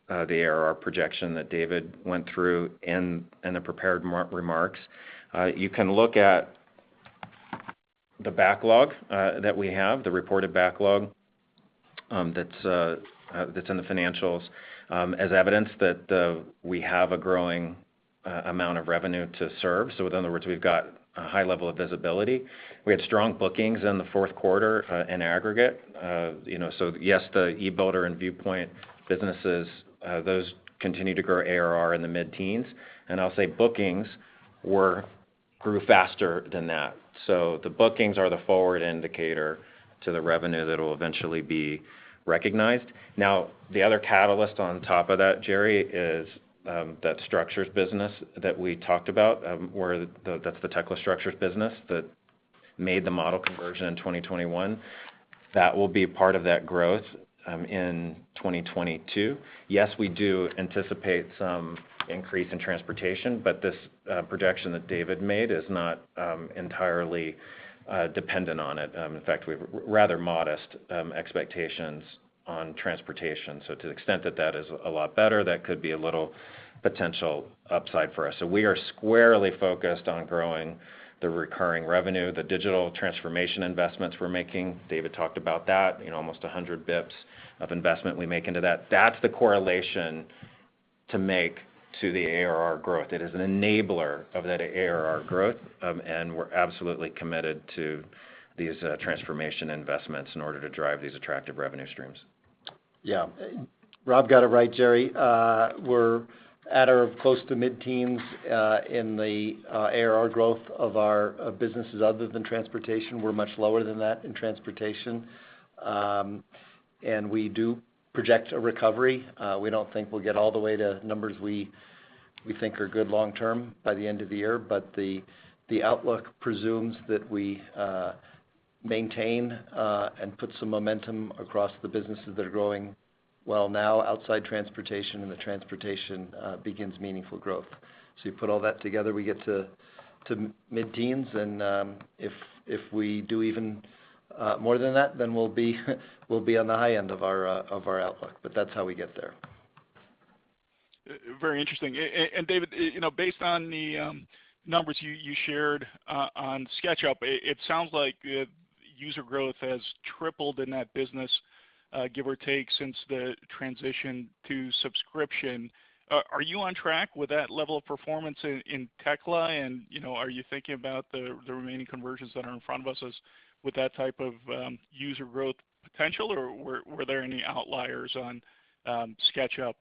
the ARR projection that David went through in the prepared remarks. You can look at the backlog that we have, the reported backlog, that's in the financials, as evidence that we have a growing amount of revenue to serve. In other words, we've got a high level of visibility. We had strong bookings in the fourth quarter in aggregate. Yes, the e-Builder and Viewpoint businesses those continue to grow ARR in the mid-teens. I'll say bookings grew faster than that. The bookings are the forward indicator to the revenue that will eventually be recognized. Now, the other catalyst on top of that, Jerry, is that structures business that we talked about, where that's the Tekla Structures business that made the model conversion in 2021. That will be part of that growth in 2022. Yes, we do anticipate some increase in transportation, but this projection that David made is not entirely dependent on it. In fact, we have rather modest expectations on transportation. So to the extent that that is a lot better, that could be a little potential upside for us. So we are squarely focused on growing the recurring revenue, the digital transformation investments we're making. David talked about that, you know, almost 100 basis points of investment we make into that. That's the correlation to make to the ARR growth. It is an enabler of that ARR growth, and we're absolutely committed to these transformation investments in order to drive these attractive revenue streams. Yeah. Rob got it right, Jerry. We're at or close to mid-teens in the ARR growth of our businesses other than transportation. We're much lower than that in transportation. We do project a recovery. We don't think we'll get all the way to numbers we think are good long term by the end of the year, but the outlook presumes that we maintain and put some momentum across the businesses that are growing well now outside transportation and the transportation begins meaningful growth. You put all that together, we get to mid-teens, and if we do even more than that, then we'll be on the high end of our outlook. That's how we get there. Very interesting. David, you know, based on the numbers you shared on SketchUp, it sounds like user growth has tripled in that business, give or take, since the transition to subscription. Are you on track with that level of performance in Tekla? You know, are you thinking about the remaining conversions that are in front of us as with that type of user growth potential, or were there any outliers on SketchUp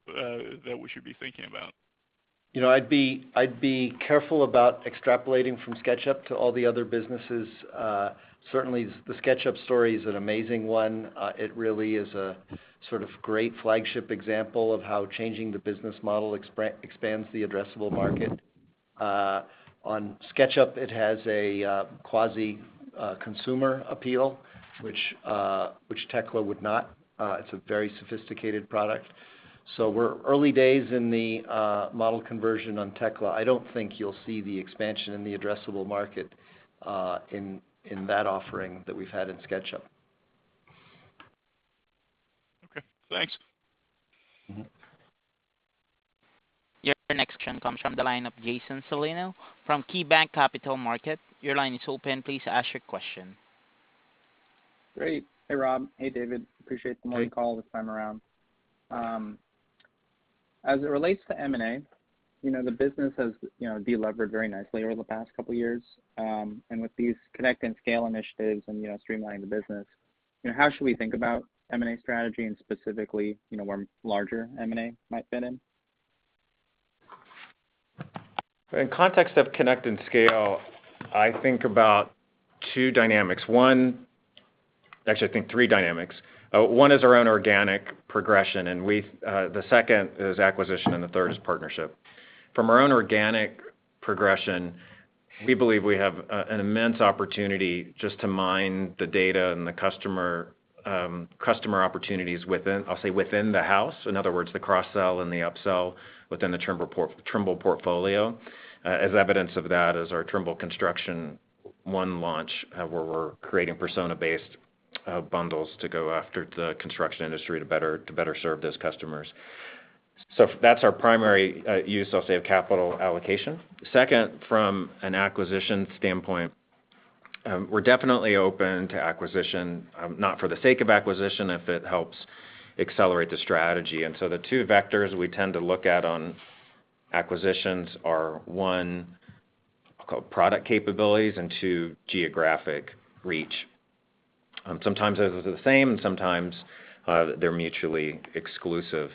that we should be thinking about? You know, I'd be careful about extrapolating from SketchUp to all the other businesses. Certainly the SketchUp story is an amazing one. It really is a sort of great flagship example of how changing the business model expands the addressable market. On SketchUp, it has a quasi consumer appeal, which Tekla would not. It's a very sophisticated product. So we're early days in the model conversion on Tekla. I don't think you'll see the expansion in the addressable market in that offering that we've had in SketchUp. Okay. Thanks. Mm-hmm. Your next question comes from the line of Jason Celino from KeyBanc Capital Markets. Your line is open. Please ask your question. Great. Hey, Rob. Hey, David. Appreciate the hey call this time around. As it relates to M&A, you know, the business has, you know, delevered very nicely over the past couple years. With these Connect and Scale initiatives and, you know, streamlining the business, you know, how should we think about M&A strategy and specifically, you know, where larger M&A might fit in? In context of Connect and Scale, I think about two dynamics. Actually, I think three dynamics. One is our own organic progression, and we, the second is acquisition, and the third is partnership. From our own organic progression, we believe we have an immense opportunity just to mine the data and the customer opportunities within, I'll say, within the house. In other words, the cross-sell and the up-sell within the Trimble port-Trimble portfolio. As evidence of that is our Trimble Construction One launch, where we're creating persona-based bundles to go after the construction industry to better serve those customers. That's our primary use, I'll say, of capital allocation. Second, from an acquisition standpoint, we're definitely open to acquisition, not for the sake of acquisition, if it helps accelerate the strategy. The two vectors we tend to look at on acquisitions are, one, I'll call product capabilities, and two, geographic reach. Sometimes those are the same, and sometimes, they're mutually exclusive.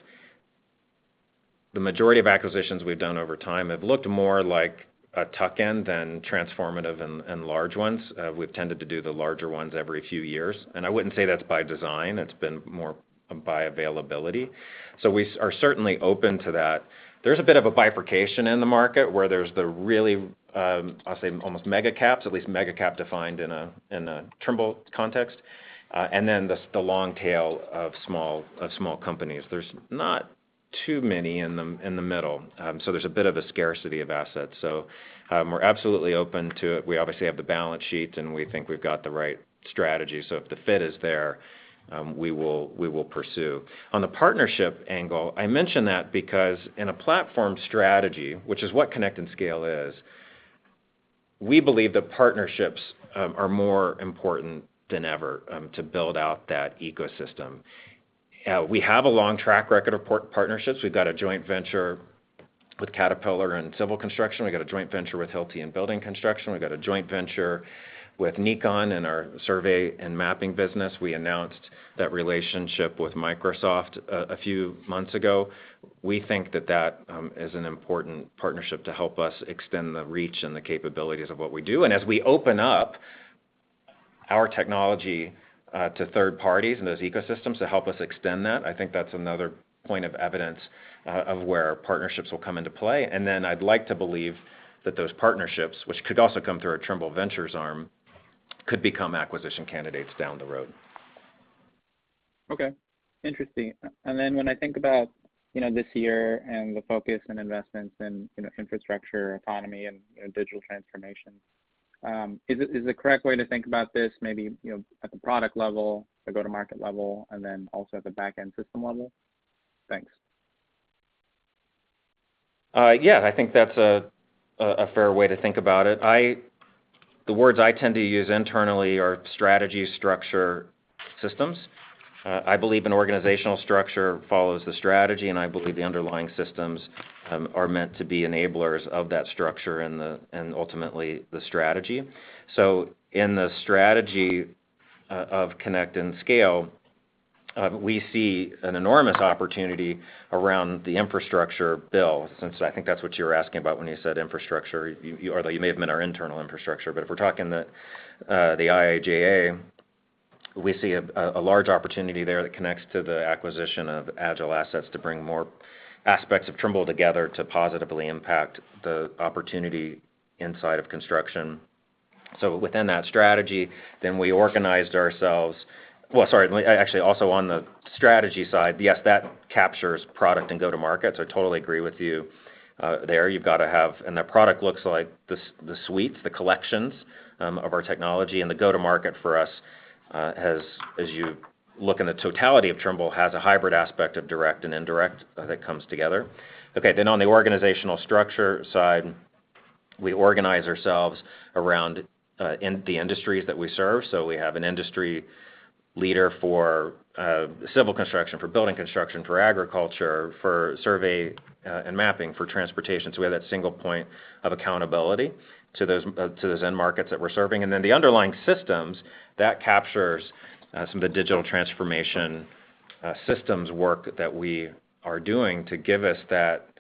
The majority of acquisitions we've done over time have looked more like a tuck-in than transformative and large ones. We've tended to do the larger ones every few years, and I wouldn't say that's by design, it's been more by availability. We are certainly open to that. There's a bit of a bifurcation in the market where there's the really, I'll say almost mega caps, at least mega cap defined in a Trimble context, and then the long tail of small companies. There's not too many in the middle, so there's a bit of a scarcity of assets. We're absolutely open to it. We obviously have the balance sheet, and we think we've got the right strategy. If the fit is there, we will pursue. On the partnership angle, I mention that because in a platform strategy, which is what Connect and Scale is, we believe that partnerships are more important than ever to build out that ecosystem. We have a long track record of partnerships. We've got a joint venture with Caterpillar in civil construction. We've got a joint venture with Hilti in building construction. We've got a joint venture with Nikon in our survey and mapping business. We announced that relationship with Microsoft a few months ago. We think that is an important partnership to help us extend the reach and the capabilities of what we do. As we open up our technology to third parties and those ecosystems to help us extend that, I think that's another point of evidence of where partnerships will come into play. Then I'd like to believe that those partnerships, which could also come through our Trimble Ventures arm, could become acquisition candidates down the road. Okay. Interesting. When I think about, you know, this year and the focus and investments in, you know, infrastructure, autonomy, and digital transformation, is the correct way to think about this maybe, you know, at the product level, the go-to-market level, and then also at the back-end system level? Thanks. Yeah, I think that's a fair way to think about it. The words I tend to use internally are strategy, structure, systems. I believe an organizational structure follows the strategy, and I believe the underlying systems are meant to be enablers of that structure and ultimately the strategy. In the strategy of Connect and Scale, we see an enormous opportunity around the infrastructure build, since I think that's what you were asking about when you said infrastructure. You or you may have meant our internal infrastructure, but if we're talking the IIJA, we see a large opportunity there that connects to the acquisition of AgileAssets to bring more aspects of Trimble together to positively impact the opportunity inside of construction. Within that strategy, then we organized ourselves... Well, sorry, actually also on the strategy side, yes, that captures product and go-to-market, so I totally agree with you, there. You've got to have, and the product looks like the suites, the collections, of our technology. The go-to-market for us, as you look in the totality of Trimble, has a hybrid aspect of direct and indirect, that comes together. Okay, on the organizational structure side, we organize ourselves around, in the industries that we serve. We have an industry leader for, civil construction, for building construction, for agriculture, for survey, and mapping, for transportation. We have that single point of accountability to those end markets that we're serving. The underlying systems that captures some of the digital transformation systems work that we are doing to give us that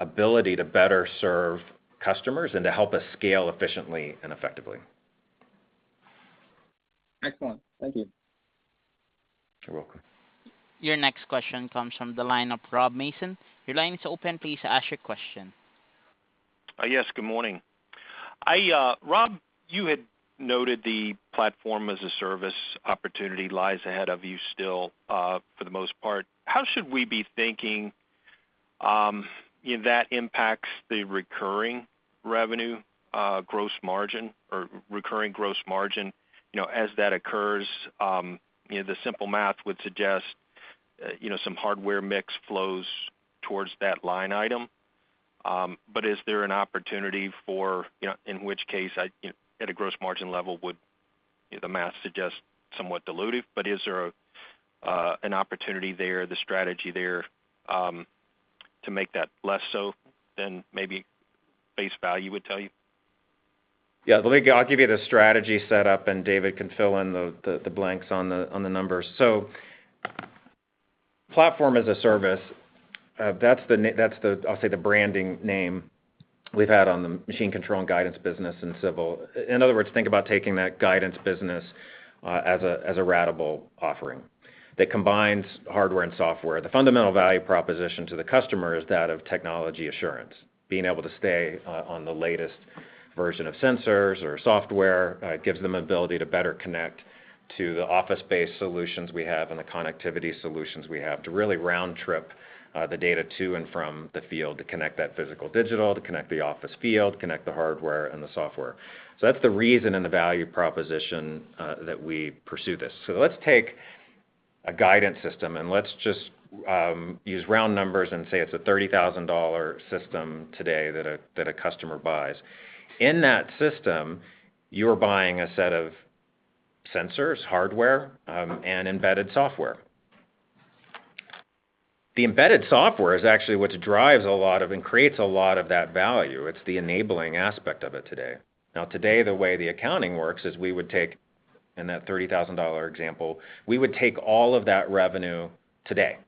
ability to better serve customers and to help us scale efficiently and effectively. Excellent. Thank you. You're welcome. Your next question comes from the line of Rob Mason. Your line is open. Please ask your question. Yes, good morning. Rob, you had noted the platform as a service opportunity lies ahead of you still, for the most part. How should we be thinking if that impacts the recurring revenue, gross margin or recurring gross margin, you know, as that occurs? You know, the simple math would suggest you know, some hardware mix flows towards that line item. But is there an opportunity for, you know, in which case at, you know, at a gross margin level, would, you know, the math suggests somewhat dilutive, but is there an opportunity there, the strategy there, to make that less so than maybe face value would tell you? Yeah. Let me, I'll give you the strategy set up, and David can fill in the blanks on the numbers. Platform as a service, that's the, I'll say, the branding name we've had on the machine control and guidance business in civil. In other words, think about taking that guidance business, as a ratable offering that combines hardware and software. The fundamental value proposition to the customer is that of technology assurance. Being able to stay on the latest version of sensors or software, gives them ability to better connect to the office-based solutions we have and the connectivity solutions we have to really round trip, the data to and from the field to connect that physical-digital, to connect the office field, connect the hardware and the software. That's the reason and the value proposition that we pursue this. Let's take a guidance system, and let's just use round numbers and say it's a $30,000 system today that a customer buys. In that system, you're buying a set of sensors, hardware, and embedded software. The embedded software is actually what drives a lot of and creates a lot of that value. It's the enabling aspect of it today. Now, today, the way the accounting works is we would take in that $30,000 example, we would take all of that revenue today.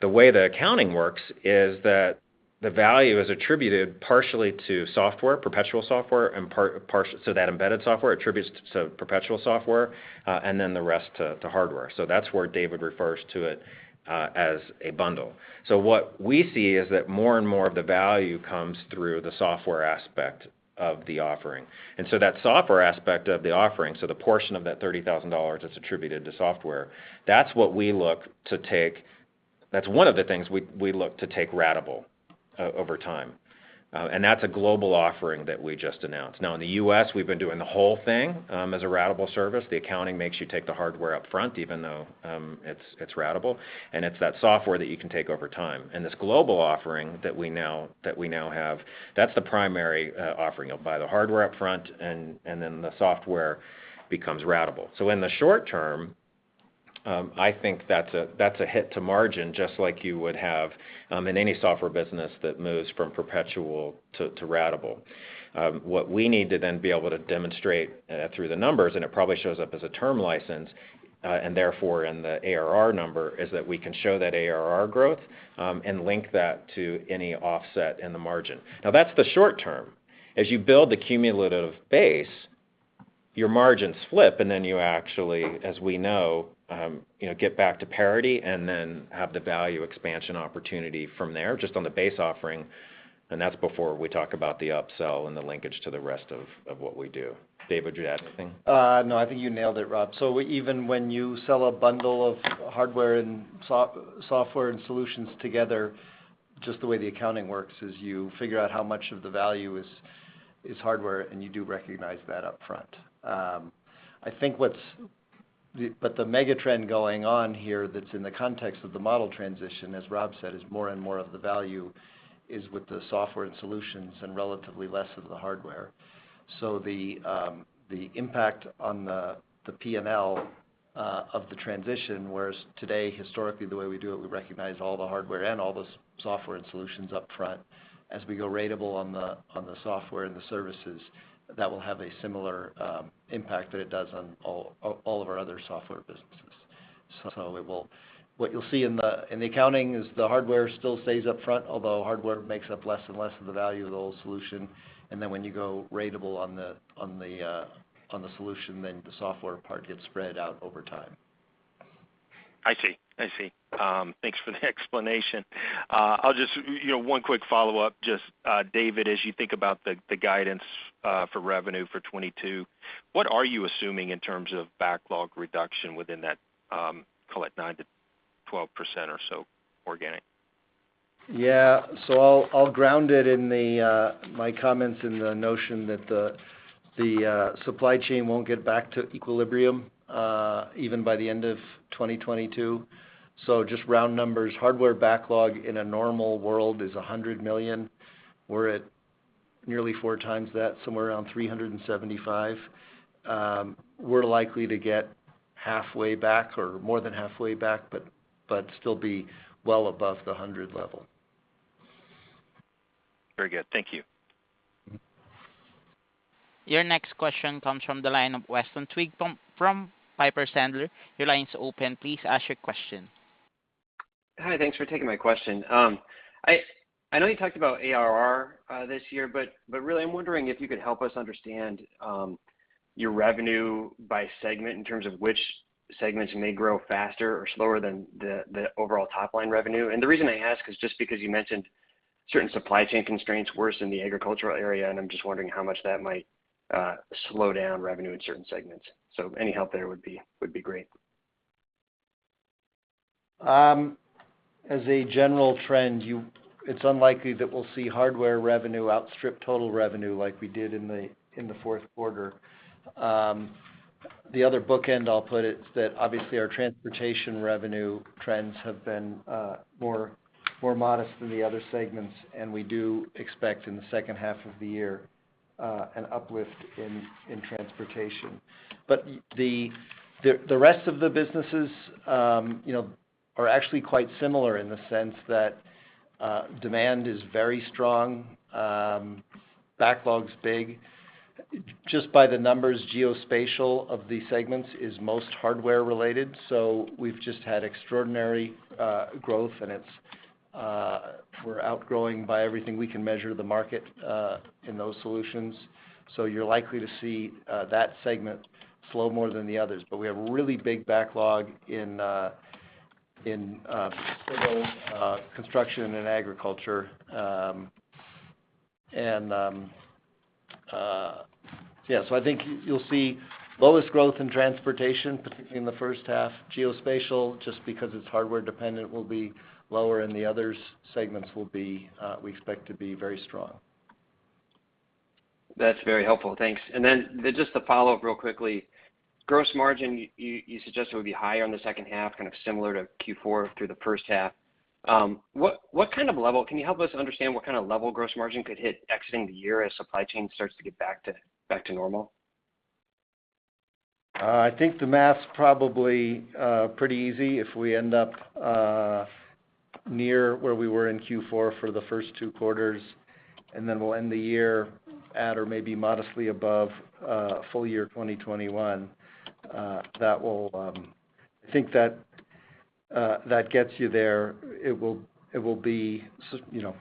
The way the accounting works is that the value is attributed partially to software, perpetual software and part. That embedded software attributes to perpetual software, and then the rest to hardware. That's where David refers to it as a bundle. What we see is that more and more of the value comes through the software aspect of the offering. That software aspect of the offering, so the portion of that $30,000 that's attributed to software, that's what we look to take. That's one of the things we look to take ratable over time. That's a global offering that we just announced. In the U.S., we've been doing the whole thing as a ratable service. The accounting makes you take the hardware up front, even though it's ratable. It's that software that you can take over time. This global offering that we now have, that's the primary offering. You'll buy the hardware up front and then the software becomes ratable. In the short term, I think that's a hit to margin, just like you would have in any software business that moves from perpetual to ratable. What we need to then be able to demonstrate through the numbers, and it probably shows up as a term license and therefore in the ARR number, is that we can show that ARR growth and link that to any offset in the margin. Now, that's the short term. As you build the cumulative base, your margins flip, and then you actually, as we know, you know, get back to parity and then have the value expansion opportunity from there just on the base offering, and that's before we talk about the upsell and the linkage to the rest of what we do. David, would you add anything? No, I think you nailed it, Rob. Even when you sell a bundle of hardware and software and solutions together, just the way the accounting works is you figure out how much of the value is hardware, and you do recognize that upfront. I think what's the mega trend going on here that's in the context of the model transition, as Rob said, is more and more of the value is with the software and solutions and relatively less of the hardware. The impact on the P&L of the transition, whereas today, historically, the way we do it, we recognize all the hardware and all the software and solutions upfront. As we go ratable on the software and the services, that will have a similar impact that it does on all of our other software businesses. What you'll see in the accounting is the hardware still stays up front, although hardware makes up less and less of the value of the whole solution. When you go ratable on the solution, then the software part gets spread out over time. I see. Thanks for the explanation. You know, one quick follow-up. Just, David, as you think about the guidance for revenue for 2022, what are you assuming in terms of backlog reduction within that, call it 9%-12% or so organic? Yeah, I'll ground it in my comments in the notion that the supply chain won't get back to equilibrium even by the end of 2022. Just round numbers. Hardware backlog in a normal world is $100 million. We're at nearly 4x that, somewhere around $375 million. We're likely to get halfway back or more than halfway back but still be well above the $100 million level. Very good. Thank you. Mm-hmm. Your next question comes from the line of Weston Twigg from Piper Sandler. Your line is open. Please ask your question. Hi. Thanks for taking my question. I know you talked about ARR this year, but really, I'm wondering if you could help us understand your revenue by segment in terms of which segments may grow faster or slower than the overall top-line revenue. The reason I ask is just because you mentioned certain supply chain constraints worse in the agricultural area, and I'm just wondering how much that might slow down revenue in certain segments. Any help there would be great. As a general trend, it's unlikely that we'll see hardware revenue outstrip total revenue like we did in the fourth quarter. The other bookend, I'll put it, is that obviously our Transportation revenue trends have been more modest than the other segments, and we do expect in the second half of the year an uplift in transportation. The rest of the businesses, you know, are actually quite similar in the sense that demand is very strong, backlog's big. Just by the numbers, Geospatial, of these segments, is most hardware related. We've just had extraordinary growth, and we're outgrowing, by everything we can measure, the market in those solutions. You're likely to see that segment slow more than the others. We have a really big backlog in civil construction and agriculture. I think you'll see lowest growth in transportation, particularly in the first half. Geospatial, just because it's hardware dependent, will be lower, and the other segments will be, we expect to be very strong. That's very helpful. Thanks. Just to follow up real quickly. Gross margin, you suggested it would be higher in the second half, kind of similar to Q4 through the first half. What kind of level? Can you help us understand what kind of level gross margin could hit exiting the year as supply chain starts to get back to normal? I think the math's probably pretty easy. If we end up near where we were in Q4 for the first two quarters, and then we'll end the year at or maybe modestly above full year 2021, that will get you there. I think that gets you there. It will be, you know.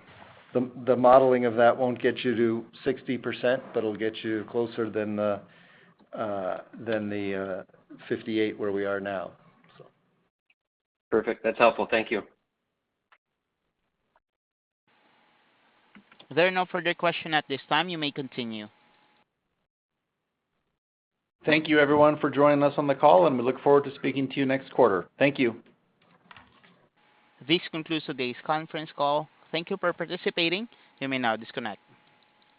The modeling of that won't get you to 60%, but it'll get you closer than the 58% where we are now. Perfect. That's helpful. Thank you. There are no further questions at this time. You may continue. Thank you everyone for joining us on the call, and we look forward to speaking to you next quarter. Thank you. This concludes today's conference call. Thank you for participating. You may now disconnect.